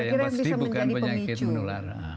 yang pasti bukan penyakit menular